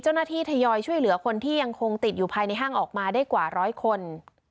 ทยอยช่วยเหลือคนที่ยังคงติดอยู่ภายในห้างออกมาได้กว่าร้อยคน